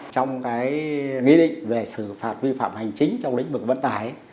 trong cái nghị định về xử phạt vi phạm hành chính trong lĩnh vực vận tải